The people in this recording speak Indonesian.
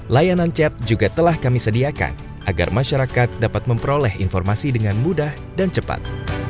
layanan chat juga telah kami sediakan agar masyarakat dapat memperoleh informasi dengan mudah dan cepat